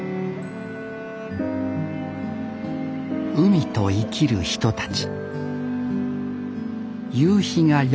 海と生きる人たち。